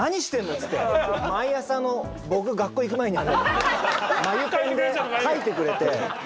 っつって毎朝の僕学校行く前に眉ペンで描いてくれて。